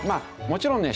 もちろんね